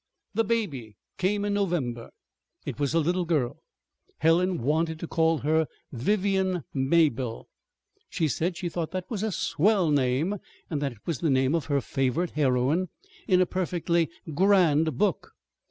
The baby came in November. It was a little girl. Helen wanted to call her "Vivian Mabelle." She said she thought that was a swell name, and that it was the name of her favorite heroine in a perfectly grand book.